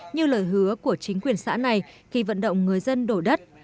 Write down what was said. như lời hứa của chính quyền xã này khi vận động người dân đổ đất